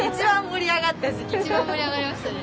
いちばん盛り上がりましたね。